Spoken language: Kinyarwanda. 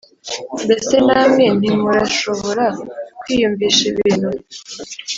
Mbese namwe ntimurashobora kwiyumvisha ibintu